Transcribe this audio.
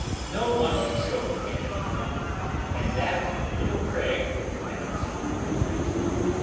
No one can show me anything new, and that little tray has proved it.